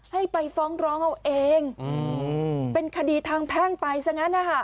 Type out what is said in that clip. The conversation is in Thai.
ให้ไปฟ้องร้องเอาเองเป็นคดีทางแพ่งไปซะงั้นนะคะ